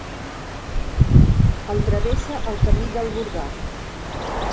El travessa el Camí del Burgar.